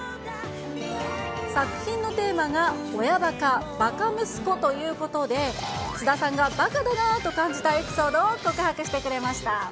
作品のテーマが親ばか、ばか息子ということで、菅田さんがばかだなと感じたエピソードを告白してくれました。